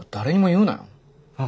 うん。